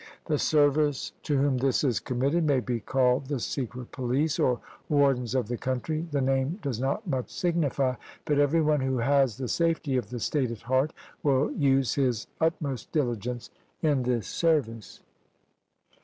The service to whom this is committed may be called the secret police or wardens of the country; the name does not much signify, but every one who has the safety of the state at heart will use his utmost diligence in this service.